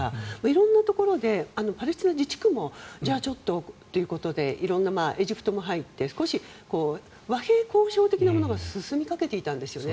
色んなところでパレスチナ自治区もじゃあ、ちょっとということでエジプトも入って少し、和平交渉的なものが進みかけていたんですよね。